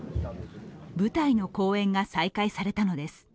舞台の公演が再開されたのです。